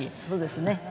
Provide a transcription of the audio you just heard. そうですね。